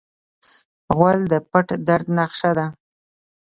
غول د پټ درد نقشه ده.